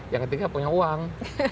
yang ketiga punya uang